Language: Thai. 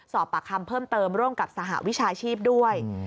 สอบปากคำเพิ่มเติมร่วมกับสหวิชาชีพด้วย